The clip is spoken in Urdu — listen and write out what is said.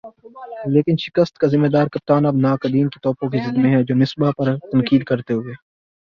لیکن شکست کا "ذمہ دار" کپتان اب ناقدین کی توپوں کی زد میں ہے جو مصباح پر تنقید کرتے ہوئے